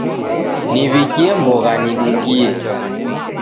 Niw'ikie mbogha nidungie.